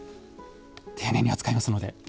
丁寧に扱いますので！